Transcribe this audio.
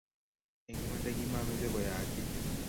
Eng imanda kimameche koyayak gii